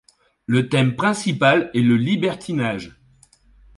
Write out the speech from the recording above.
Le thème principal est le libertinage.